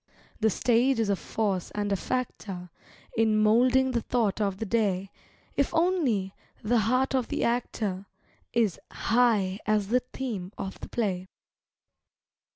The stage is a force and a factor In moulding the thought of the day, If only the heart of the actor Is high as the theme of the play.